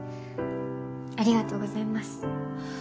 ありがとうございます